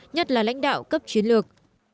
nhất là lãnh đạo cấp chiến lược